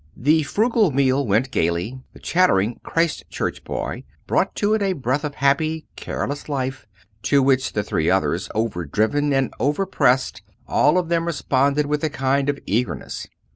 The frugal meal went gaily. The chattering Christchurch boy brought to it a breath of happy, careless life, to which the three others over driven and over pressed, all of them responded with a kind of eagerness.